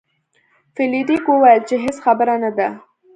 فلیریک وویل چې هیڅ خبره نه ده.